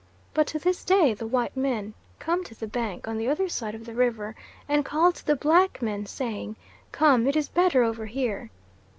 But to this day the white men come to the bank, on the other side of the river, and call to the black men, saying, "Come, it is better over here."